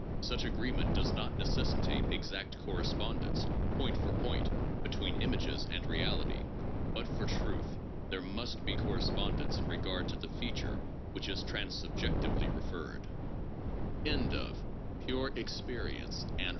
Such agree ment does not necessitate exact correspondence, point for point, between images and reality. But for truth there must be corre spondence in regard to the feature which is transsubjectively referred.